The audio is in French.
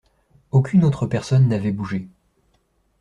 Aucune autre personne n’avait bougé.